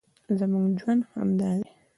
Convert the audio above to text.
زموږ ژوند همدا دی